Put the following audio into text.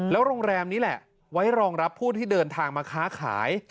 โรงแรมนี้แหละไว้รองรับผู้ที่เดินทางมาค้าขาย